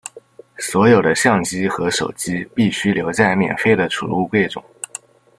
所有的相机和手机必须留在免费的储物柜中。